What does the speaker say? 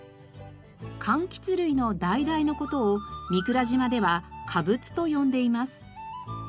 柑橘類のダイダイの事を御蔵島では「かぶつ」と呼んでいます。